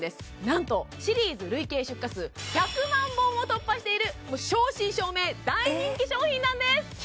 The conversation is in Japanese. なんとシリーズ累計出荷数１００万本を突破している正真正銘大人気商品なんです１００万